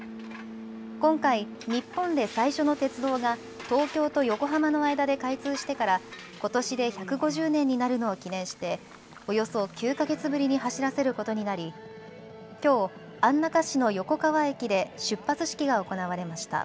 今回、日本で最初の鉄道が東京と横浜の間で開通してからことしで１５０年になるのを記念しておよそ９か月ぶりに走らせることになりきょう安中市の横川駅で出発式が行われました。